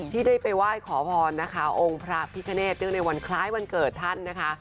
ที่ได้ไปไหว้ขอพรนะคะองค์พระพิคเนตเนื่องในวันคล้ายวันเกิดท่านนะคะ